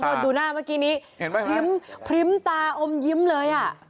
โทษดูหน้าเมื่อกี้นี้พริ้มตาอมยิ้มเลย